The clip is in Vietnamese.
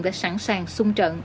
đã sẵn sàng sung trận